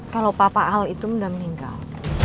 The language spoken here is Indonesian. kalau papa al itu udah meninggal